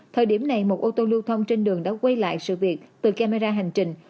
thời điểm này một ô tô lưu thông trên đường đã quay lại sự việc từ camera hành trình